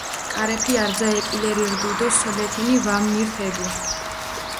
კარეფი არძა ეკილერი რდუ დო სოლეთინი ვემნირთედუ.